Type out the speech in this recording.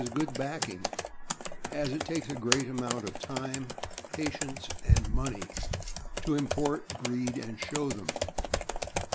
'429 good backing, as it takes a great amount of time, patience, and money to import, breed,. and show them.